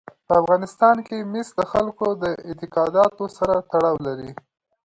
په افغانستان کې مس د خلکو د اعتقاداتو سره تړاو لري.